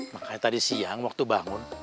makanya tadi siang waktu bangun